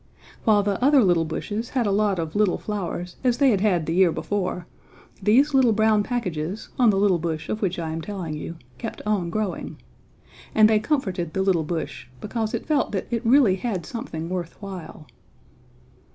While the other little bushes had a lot of little flowers as they had had the year before, these little brown packages on the little bush of which I am telling you kept on growing. And they comforted the little bush because it felt that it really had something worth while.